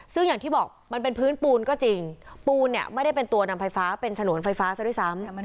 ซึ่งอย่างที่บอกมันเป็นพื้นปูนก็จริงปูนเนี่ยไม่ได้เป็นตัวนำไฟฟ้าเป็นฉนวนไฟฟ้าซะด้วยซ้ำ